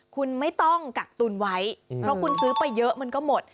คุณไม่ต้องกักตุนไว้เพราะคุณซื้อไปเยอะมันก็หมด